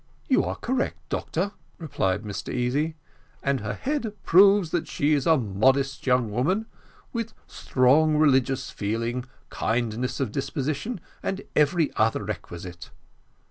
"You are correct, doctor," replied Mr Easy, "and her head proves that she is a modest young woman, with strong religious feeling, kindness of disposition, and every other requisite."